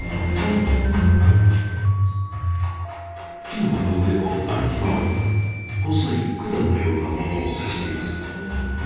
きのこの上を歩き回り細い管のようなものを刺しています。